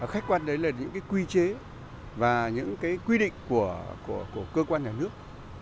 khách quan đấy là những quy chế và những quy định của cơ quan nhà nước